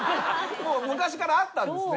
昔からあったんですね。